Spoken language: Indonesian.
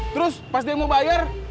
terus pas dia mau bayar